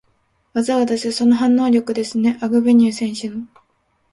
技を出す、その反応力ですね、アグベニュー選手の。